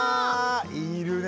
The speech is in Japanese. いるね。